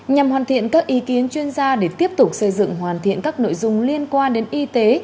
nhằm hoàn thiện các ý kiến chuyên gia để tiếp tục xây dựng hoàn thiện các nội dung liên quan đến y tế